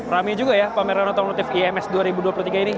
rame juga ya pameran otomotif ims dua ribu dua puluh tiga ini